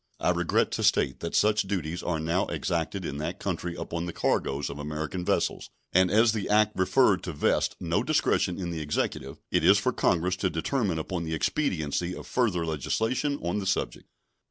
I regret to state that such duties are now exacted in that country upon the cargoes of American vessels, and as the act referred to vests no discretion in the Executive, it is for Congress to determine upon the expediency of further legislation on the subject.